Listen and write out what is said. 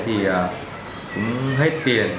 thì cũng hết tiền